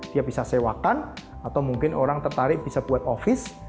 dia bisa sewakan atau mungkin orang tertarik bisa buat office